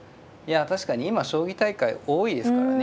確かに今将棋大会多いですからね。